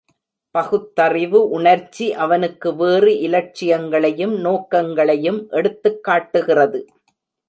பகுத்தறிவு உணர்ச்சி அவனுக்கு வேறு இலட்சியங்களையும் நோக்கங்களையும் எடுத்துக் காட்டுகிறது.